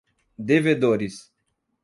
devedores